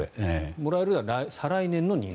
もらえるのは再来年の２月。